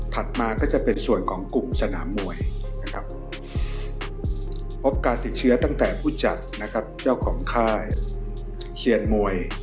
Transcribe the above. ถัดมาก็จะเป็นส่วนของกลุ่มสนามวยพบการติดเชื้อตั้งแต่ผู้จัดเจ้าของค่ายเสียรมวย